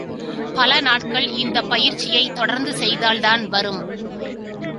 பல நாட்கள் இந்தப் பயிற்சியைத் தொடர்ந்து செய்தால்தான் வரும்.